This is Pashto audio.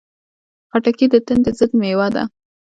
خټکی د تندې ضد مېوه ده.